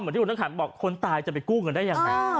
เหมือนที่ผมต้องถามบอกคนตายจะไปกู้เงินได้ยังไง